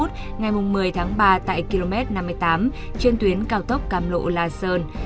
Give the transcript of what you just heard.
tại km năm mươi tám trên tuyến cao tốc càm lộ la sơn